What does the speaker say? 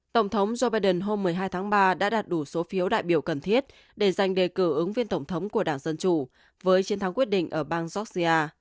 tổng thống joe biden hôm một mươi hai tháng ba đã đạt đủ số phiếu đại biểu cần thiết để giành đề cử ứng viên tổng thống của đảng dân chủ với chiến thắng quyết định ở bang georgia